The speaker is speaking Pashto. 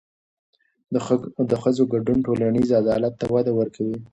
د ښځو ګډون ټولنیز عدالت ته وده ورکوي.